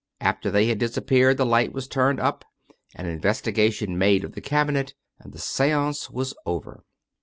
After they had disappeared the light was turned up, an investigation made of the cabinet, and the seance was over.